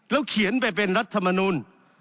แล้วเขียนไปเป็นรัฐมนุน